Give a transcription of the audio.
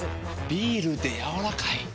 ビールでやわらかい。